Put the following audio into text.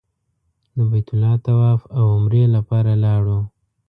د بیت الله طواف او عمرې لپاره لاړو.